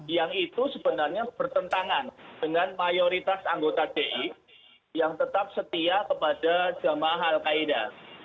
yang itu sebenarnya bertentangan dengan mayoritas anggota ji yang tetap setia kepada jamaah al qaeda